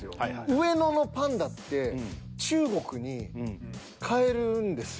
上野のパンダって中国に帰るんですよ。